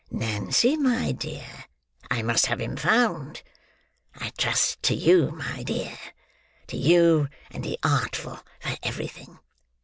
Nancy, my dear, I must have him found. I trust to you, my dear,—to you and the Artful for everything!